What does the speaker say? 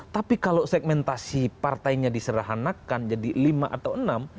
tapi kalau segmentasi partainya diserahanakan jadi lima atau enam